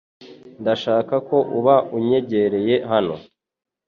Ndashaka ko uba unyegereye hano .